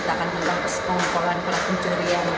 dan saya senang banget bisa terlengkap ke sini